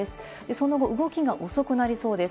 その後、動きが遅くなりそうです。